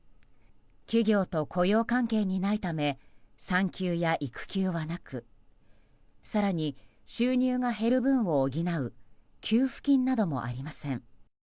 企業と雇用関係にないため産休や育休はなく更に収入が減る分を補う給付金などもありません。